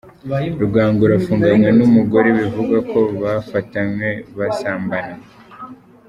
Rugangura afunganywe n’umugore bivugwa ko bafatanywe basambana.